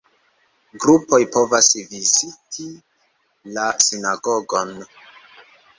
Grupoj povas viziti la sinagogon.